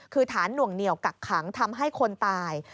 คือฐานหน่วงเหนียวกักขังทำให้คนตาย